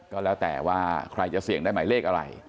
ก็แล้วแต่ว่าใครจะเสี่ยงได้หมายเลขอะไร